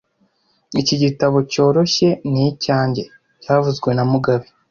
Iki gitabo cyoroshye ni icyanjye byavuzwe na mugabe